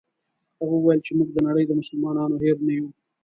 هغه وویل چې موږ د نړۍ د مسلمانانو هېر نه یو.